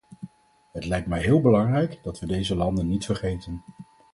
Het lijkt mij heel belangrijk dat we deze landen niet vergeten.